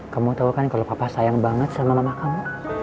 kamu tau kan kalau papa sayang banget sama mama kamu